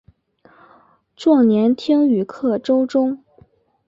壮年听雨客舟中。